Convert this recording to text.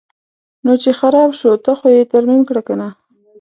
نو چې خراب شو ته خو یې ترمیم کړه کنه.